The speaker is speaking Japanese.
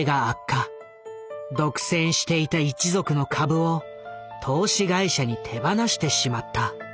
独占していた一族の株を投資会社に手放してしまった。